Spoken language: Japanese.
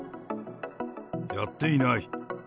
やっていない。